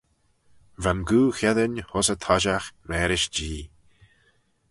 Va'n goo cheddin ayns y toshiaght mârish Jee.